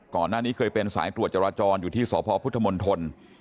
ก่อนหน้านี้เคยเป็นสายตรวจจราจรอยู่ที่สพพุทธมนตร